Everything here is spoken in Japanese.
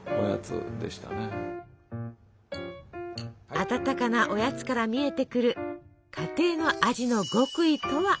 温かなおやつから見えてくる家庭の味の極意とは？